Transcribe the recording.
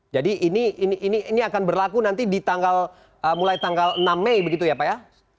jadi ini akan berlaku nanti di tanggal mulai tanggal enam mei begitu ya pak ya